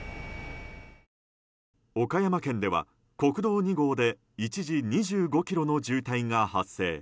岡山県では国道２号で一時２５ｋｍの渋滞が発生。